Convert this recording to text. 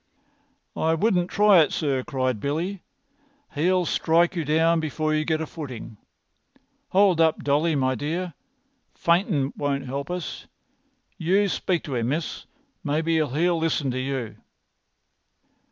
"I wouldn't try it, sir," cried Billy. "He'll strike you down before you get a footing. Hold up, Dolly, my dear! Faintin' won't 'elp us. You speak to him, miss. Maybe he'll listen to you."